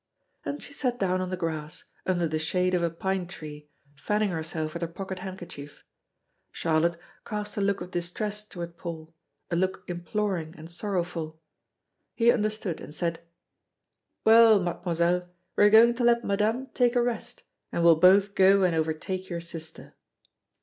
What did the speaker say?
And she sat down on the grass, under the shade of a pine tree, fanning herself with her pocket handkerchief. Charlotte cast a look of distress toward Paul, a look imploring and sorrowful. He understood, and said: "Well, Mademoiselle, we are going to let Madame take a rest, and we'll both go and overtake your sister."